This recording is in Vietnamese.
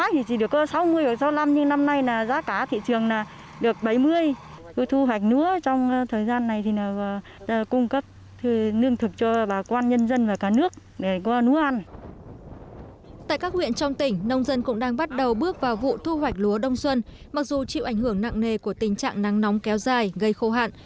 tại các huyện trong tỉnh nông dân cũng đang bắt đầu bước vào vụ thu hoạch lúa đông xuân mặc dù chịu ảnh hưởng nặng nề của tình trạng nắng nóng kéo dài gây khô hạn